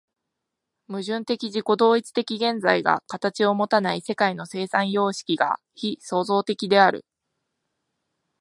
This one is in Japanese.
矛盾的自己同一的現在が形をもたない世界の生産様式が非創造的である。